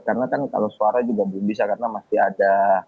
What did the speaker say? karena kan kalau suara juga belum bisa karena masih ada